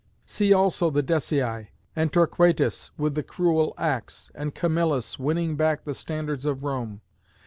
See also the Decii; and Torquatus, with the cruel axe; and Camillus winning back the standards of Rome.